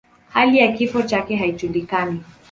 Hali ya kifo chake haijulikani.